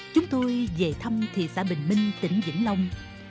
chúng tôi về thăm thị xã bình minh tỉnh vĩnh long